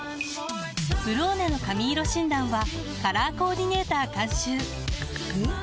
「ブローネ」の髪色診断はカラーコーディネーター監修おっ！